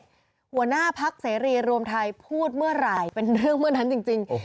หัวหน้าพักเสรีรวมไทยพูดเมื่อไหร่เป็นเรื่องเมื่อนั้นจริง